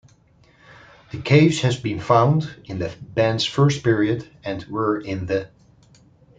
The caves have been found in the band's first period, and were in the